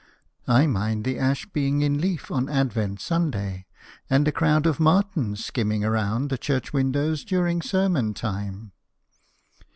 I mind the ash being in leaf on Advent Sunday, and a crowd of martins skimming round the church windows during sermon time.